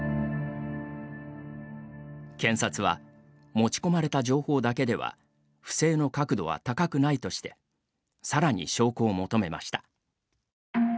検察は持ち込まれた情報だけでは不正の確度は高くないとしてさらに証拠を求めました。